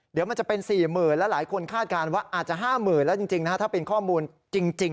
เดี๋ยวมันจะเป็น๔๐๐๐แล้วหลายคนคาดการณ์ว่าอาจจะ๕๐๐๐แล้วจริงนะฮะถ้าเป็นข้อมูลจริง